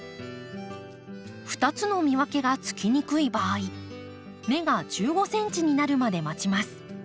２つの見分けがつきにくい場合芽が１５ｃｍになるまで待ちます。